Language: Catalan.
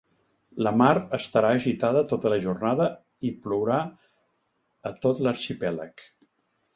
La mar estarà agitada tota la jornada i plourà a tot l’arxipèlag.